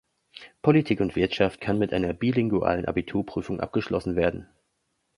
Politik und Wirtschaft kann mit einer bilingualen Abiturprüfung abgeschlossen werden.